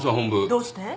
どうして？